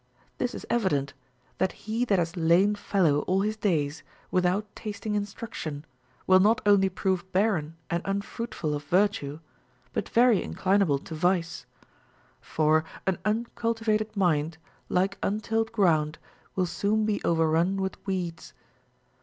This is evident, that he that has lain fallow all his days, without tasting instruction, will not only prove barren and unfruitful of virtue, but very inclinable to vice ; for an uncultivated mind, like untilled ground, will soon be overrun Avith weeds.